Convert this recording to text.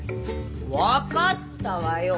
分かったわよ。